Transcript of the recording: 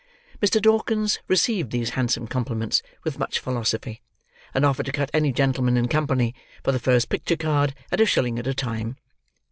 Mr. Dawkins received these handsome compliments with much philosophy, and offered to cut any gentleman in company, for the first picture card, at a shilling at a time.